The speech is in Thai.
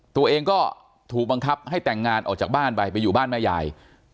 ตัวเองก็ถูกบังคับให้แต่งงานออกจากบ้านไปไปอยู่บ้านแม่ยาย